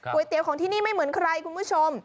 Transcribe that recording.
เตี๋ยวของที่นี่ไม่เหมือนใครคุณผู้ชม